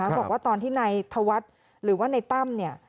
บอกว่าตอนที่ในธวรรษหรือว่าในตั้ม